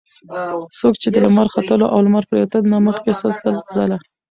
څوک چې د لمر ختلو او لمر پرېوتلو نه مخکي سل سل ځله